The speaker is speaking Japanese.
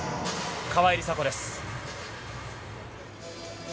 川井梨紗子です。